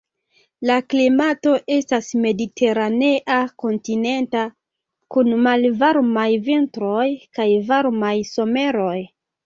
La klimato estas mediteranea kontinenta, kun malvarmaj vintroj kaj varmaj someroj.